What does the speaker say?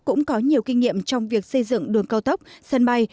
cũng có nhiều kinh nghiệm trong việc xây dựng đường cao tốc sân bay